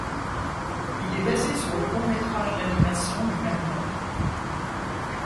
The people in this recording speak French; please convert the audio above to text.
Il est basé sur le long métrage d'animation du même nom.